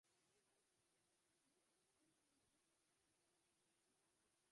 Goho Alpomishga aylansang, goh Avazxonga jo‘ra tushasan.